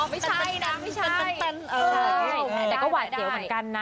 ไม่ใช่นะไม่ใช่เป็นแต่ก็หวาดเสียวเหมือนกันนะ